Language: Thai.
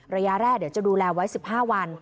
ระยะแรกเดี๋ยวจะดูแลไว้๑๕วัน